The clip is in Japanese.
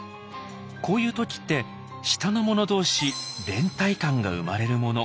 こういう時って下の者同士連帯感が生まれるもの。